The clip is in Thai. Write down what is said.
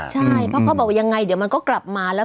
ใช่เพราะเขาบอกว่ายังไงเดี๋ยวมันก็กลับมาแล้ว